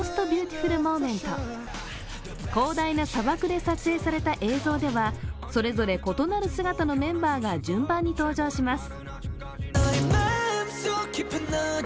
広大な砂漠で撮影された映像ではそれぞれ異なる姿のメンバーが順番に登場します。